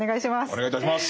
お願いいたします。